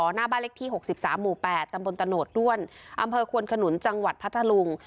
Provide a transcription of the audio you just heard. หน้าบ้านเล็กที่๖๓หมู่๘ตำบลตะโหดด้วนอำเภอควนขนุนจังหวัดพัทธลุง